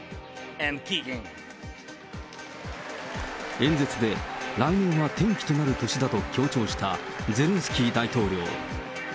演説で、来年は転機となる年だと強調したゼレンスキー大統領。